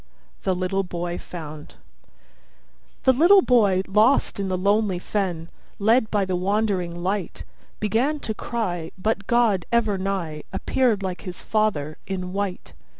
THE LITTLE BOY FOUND The little boy lost in the lonely fen, Led by the wandering light, Began to cry, but God, ever nigh, Appeared like his father, in white.